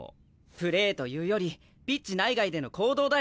プレーというよりピッチ内外での行動だよ。